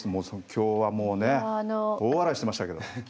今日はもうね大笑いしてましたけど。